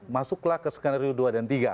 masuklah ke skenario dua dan tiga